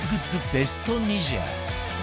ベスト２０